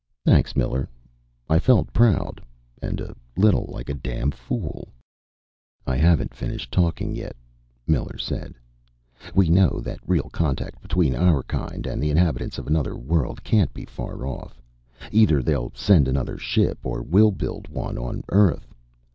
"Thanks, Miller." I felt proud and a little like a damn fool. "I haven't finished talking yet," Miller said. "We know that real contact between our kind and the inhabitants of another world can't be far off. Either they'll send another ship or we'll build one on Earth.